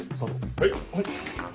はい。